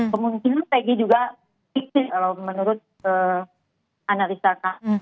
kemungkinan peggy juga dikatakan menurut analisa